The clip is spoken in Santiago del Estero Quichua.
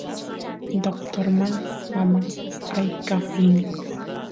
doctorman mamay aykaf rin